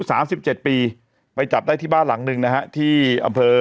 สามสิบเจ็ดปีไปจับได้ที่บ้านหลังหนึ่งนะฮะที่อำเภอ